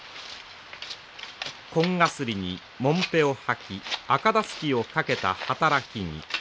紺がすりにもんぺをはき赤だすきを掛けた働き着。